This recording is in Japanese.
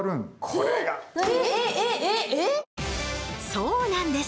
そうなんです！